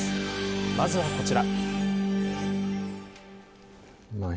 まずはこちら。